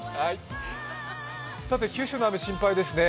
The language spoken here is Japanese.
九州の雨心配ですね。